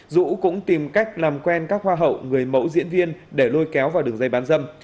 dũ cũng tìm cách làm quen các hoa hậu người mẫu diễn viên để lôi kéo vào đường dây bán dâm